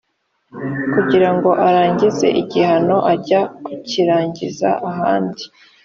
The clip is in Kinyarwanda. kugira ngo arangize igihano ajya kukirangiriza ahandi